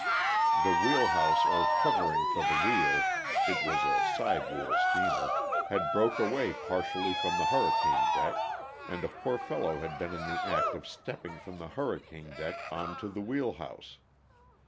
The wheel house or covering for the wheel, (it was a side wheel steamer,) had broken away partially from the hurricane deck, and a poor fellow had been in the act of stepping from the hurricane deck onto the wheel house.